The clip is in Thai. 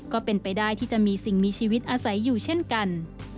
ก็เป็นไปได้ที่จะมีสิ่งมีชีวิตอาศัยอยู่เช่นกัน